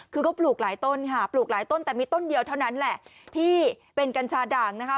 คือเขาปลูกหลายต้นค่ะปลูกหลายต้นแต่มีต้นเดียวเท่านั้นแหละที่เป็นกัญชาด่างนะคะ